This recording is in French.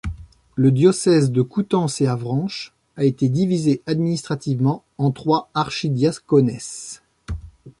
Le diocèse de Coutances-et-Avranches a été divisé administrativement en trois archidiaconés.